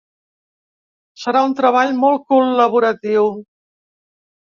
Serà un treball molt col·laboratiu.